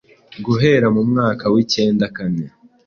guhera mu mwaka w’icyenda kane